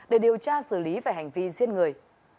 để điều tra xử lý về hành vi giết người